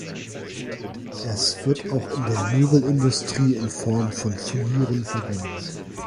Es wird auch in der Möbelindustrie in Form von Furnieren verwendet.